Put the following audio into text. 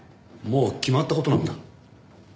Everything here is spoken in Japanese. もう決まった事なんだ。